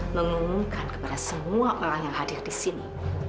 mengumumkan kepada semua orang yang hadir di sini